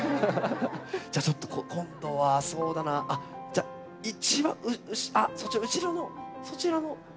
じゃあちょっと今度はそうだな。じゃあ一番そちら後ろのそちらの方。